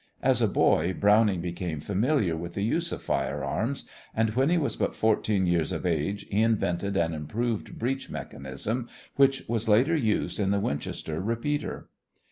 As a boy Browning became familiar with the use of firearms and when he was but fourteen years of age he invented an improved breech mechanism which was later used in the Winchester repeater.